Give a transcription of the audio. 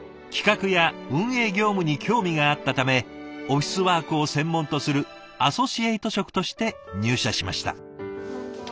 企画や運営業務に興味があったためオフィスワークを専門とするアソシエイト職として入社しました。